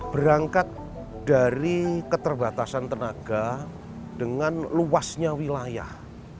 berangkat dari keterbatasan tenaga dengan luasnya wilayah